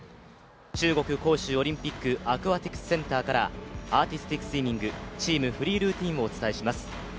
中国・杭州オリンピックアクアティクスセンターからアーティスティックスイミングチーム・フリールーティンをお伝えします。